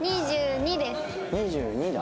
２２だ？